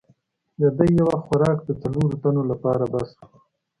د ده یو وخت خوراک د څلورو تنو لپاره بس وو.